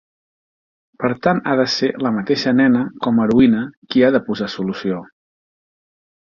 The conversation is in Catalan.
Per tant ha de ser la mateixa nena com heroïna qui ha de posar solució.